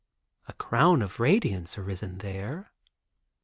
A Crown of Radiance arisen there.